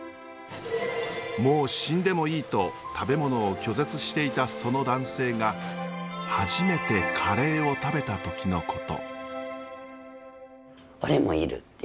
もう死んでもいいと食べ物を拒絶していたその男性がはじめてカレーを食べた時のこと。